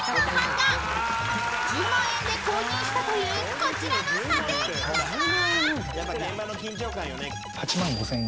［１０万円で購入したというこちらの査定金額は？］